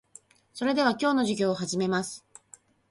それでは、今日の授業を始めます。